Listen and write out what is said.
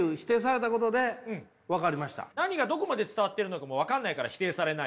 何がどこまで伝わってるのかも分かんないから否定されないと。